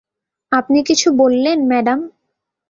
আপনি কিছু বললেন, ম্যাডাম?